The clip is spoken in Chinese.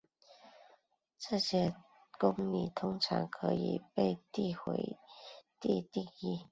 这些公理通常可以被递回地定义。